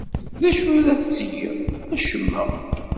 D acu ay la tettged? Acemma.